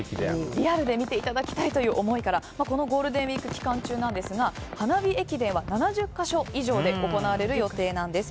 リアルで見ていただきたいとの思いからこのゴールデンウィーク期間中ですが花火駅伝は７０か所以上で行われる予定なんです。